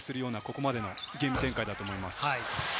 ここまでのゲーム展開だと思います。